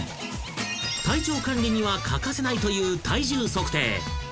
［体調管理には欠かせないという体重測定］